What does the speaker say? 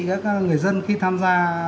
các người dân khi tham gia